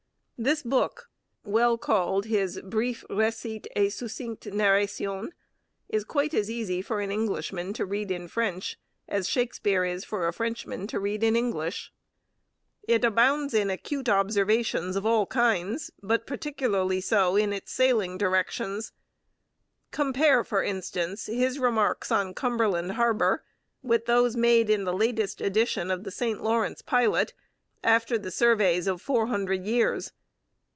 This book, well called his Brief Recit et Succincte Narration, is quite as easy for an Englishman to read in French as Shakespeare is for a Frenchman to read in English. It abounds in acute observations of all kinds, but particularly so in its sailing directions. Compare, for instance, his remarks on Cumberland Harbour with those made in the latest edition of the St Lawrence Pilot after the surveys of four hundred years.